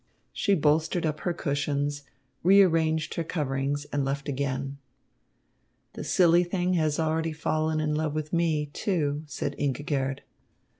She bolstered up her cushions, rearranged her coverings, and left again. "The silly thing has already fallen in love with me, too," said Ingigerd.